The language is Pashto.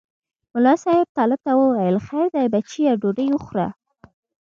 ملا صاحب طالب ته وویل خیر دی بچیه ډوډۍ وخوره.